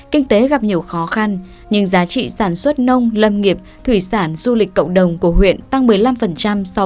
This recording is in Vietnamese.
kinh tế gặp nhiều khó khăn nhưng giá trị sản xuất nông lâm nghiệp thủy sản du lịch cộng đồng của huyện tăng một mươi năm so với